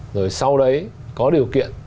rồi sau đấy có điều kiện